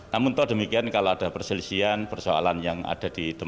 namun kalau demikian kalau ada perselisian persoalan yang ada di teman teman